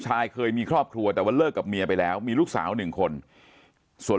เคยมีครอบครัวแต่ว่าเลิกกับเมียไปแล้วมีลูกสาวหนึ่งคนส่วน